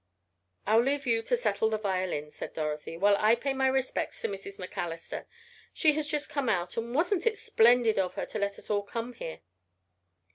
"I'll leave you to settle the violin," said Dorothy, "while I pay my respects to Mrs. MacAllister. She has just come out, and wasn't it splendid of her to let us all come here?"